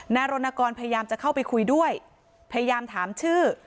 รณกรพยายามจะเข้าไปคุยด้วยพยายามถามชื่อ